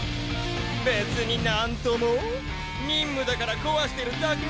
別に何とも任務だから壊してるだけっショ。